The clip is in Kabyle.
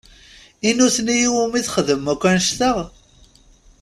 I nutni i wumi txedmemt akk annect-a?